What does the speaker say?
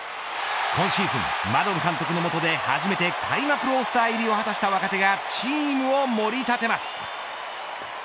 今シーズン、マドン監督の下で初めて開幕ロースター入りを果たした若手がチームを盛り立てます。